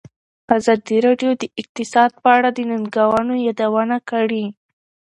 ازادي راډیو د اقتصاد په اړه د ننګونو یادونه کړې.